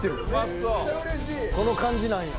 この感じなんや。